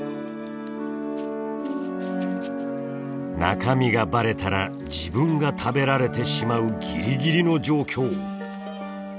中身がバレたら自分が食べられてしまうギリギリの状況！